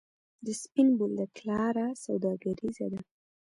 د سپین بولدک لاره سوداګریزه ده